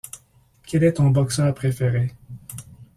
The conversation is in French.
Quel est ton boxeur, préféré?